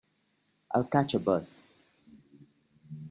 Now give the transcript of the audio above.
I'll catch a bus.